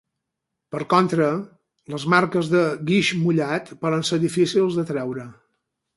Per contra, les marques de guix mullat poden ser difícils de treure.